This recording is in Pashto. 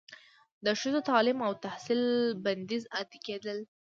د ښځو تعلیم او تحصیل بندیز عادي کیدل